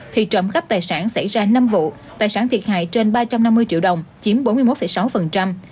thì trộm cắp tài sản xảy ra năm vụ tài sản thiệt hại trên ba trăm năm mươi triệu đồng chiếm bốn mươi một sáu